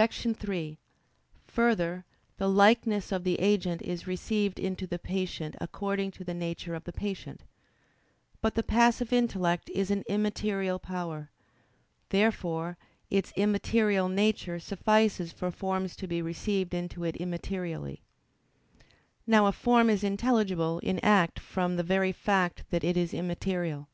3: Further, the likeness of the agent is received into the patient according to the nature of the patient. But the passive intellect is an immaterial power. Therefore its immaterial nature suffices for forms to be received into it immaterially. Now a form is intelligible in act from the very fact that it is immaterial.